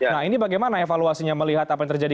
nah ini bagaimana evaluasinya melihat apa yang terjadi